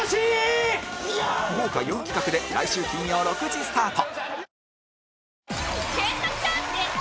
豪華４企画で来週金曜６時スタート